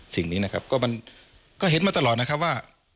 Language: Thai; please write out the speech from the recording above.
สิ่งนี้นะครับก็มันก็เห็นมาตลอดนะครับว่า